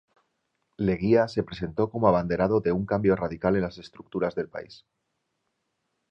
Leguía se presentó como abanderado de un cambio radical en las estructuras del país.